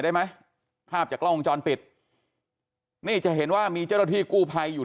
ได้ไหมภาพจากกล้องวงจรปิดนี่จะเห็นว่ามีเจ้าหน้าที่กู้ภัยอยู่